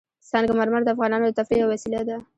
سنگ مرمر د افغانانو د تفریح یوه وسیله ده.